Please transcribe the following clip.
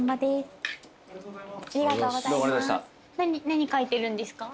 何書いてるんですか？